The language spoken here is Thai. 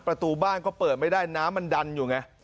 ประตูบ้านก็เปิดไม่ได้น้ำมันดันอยู่ไง